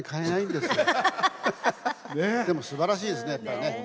でも、すばらしいですね。